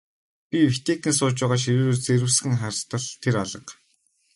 Би Витекийн сууж байгаа ширээ рүү зэрвэсхэн хартал тэр алга.